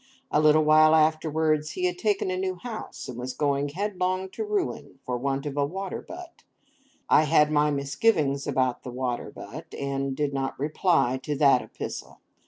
A little while afterwards he had taken a new house, and was going headlong to ruin for want of a water butt. I had my misgivings about the water butt, and did not reply to that epistle.